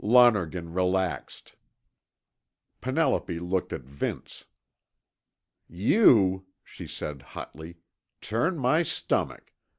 Lonergan relaxed. Penelope looked at Vince. "You," she said hotly, "turn my stomach!